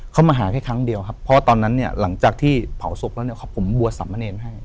เขามาหาแค่ครั้งเดียวครับเพราะว่าตอนนั้นเนี่ยหลังจากที่เผาศพแล้วเนี่ยผมบวชสามเณรให้